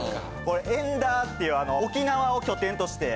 これエンダーっていうあの沖縄を拠点として。